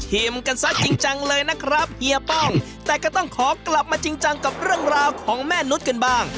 กันซะจริงจังเลยนะครับเฮียป้องแต่ก็ต้องขอกลับมาจริงจังกับเรื่องราวของแม่นุษย์กันบ้าง